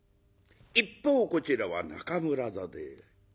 一方こちらは中村座で。